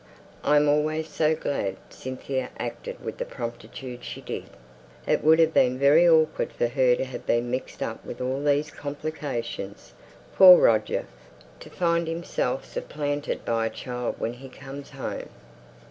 I am always so glad Cynthia acted with the promptitude she did; it would have been very awkward for her to have been mixed up with all these complications. Poor Roger! to find himself supplanted by a child when he comes home!"